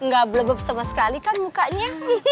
gak belebep sama sekali kan mukanya